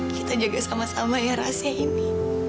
kita jaga sama sama ya rahasia ini